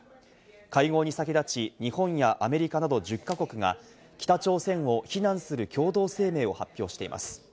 会合に先立ち、日本やアメリカなど１０か国が北朝鮮を非難する共同声明を発表しています。